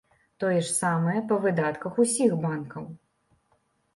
Тое ж самае па выдатках усіх банкаў.